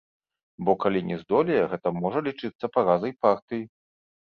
Бо, калі не здолее, гэта можа лічыцца паразай партыі.